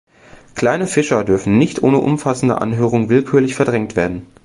Kleine Fischer dürfen nicht ohne umfassende Anhörung willkürlich verdrängt werden.